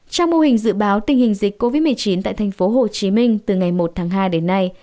trong mô hình dự báo tình hình dịch covid một mươi chín tại tp hcm từ ngày một tháng hai đến nay